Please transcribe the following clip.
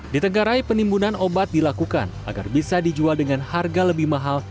di tenggarai penimbunan obat dilakukan agar bisa dijual dengan harga lebih mahal